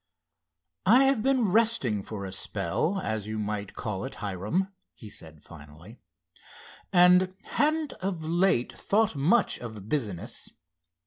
"I have been resting for a spell, as you might call it, Hiram," he said finally, "and hadn't of late, thought much of business.